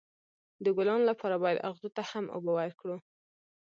د ګلانو لپاره باید اغزو ته هم اوبه ورکړو.